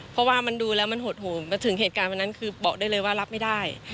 เพราะว่ามันดูแล้วมันหดหูมาถึงเหตุการณ์วันนั้นคือบอกได้เลยว่ารับไม่ได้